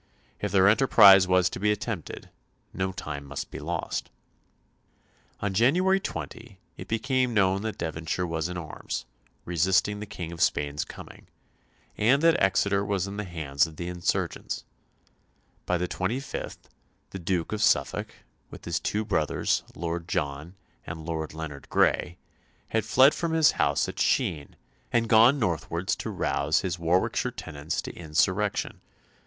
If their enterprise was to be attempted, no time must be lost. On January 20 it became known that Devonshire was in arms, "resisting the King of Spain's coming," and that Exeter was in the hands of the insurgents. By the 25th the Duke of Suffolk, with his two brothers, Lord John and Lord Leonard Grey, had fled from his house at Sheen, and gone northwards to rouse his Warwickshire tenants to insurrection.